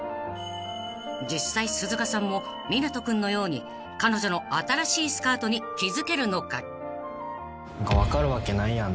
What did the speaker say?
［実際鈴鹿さんも湊斗君のように彼女の新しいスカートに気付けるのか？］